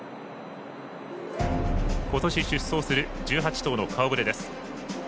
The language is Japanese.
ことし出走する１８頭の顔ぶれです。